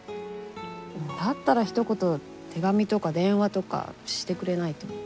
だったらひと言手紙とか電話とかしてくれないと。